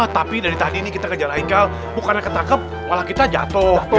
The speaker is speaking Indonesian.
tapi dari tadi nih kita kejar aikal bukannya ketangkep malah kita jatuh